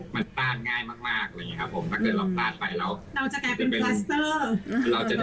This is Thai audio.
มันต้านง่ายมากถ้าเกิดเราต้านไปแล้วเราจะได้เป็นผลตัวร้ายของจริง